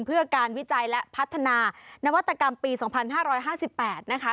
เพื่อการวิจัยและพัฒนานวัตกรรมปี๒๕๕๘นะคะ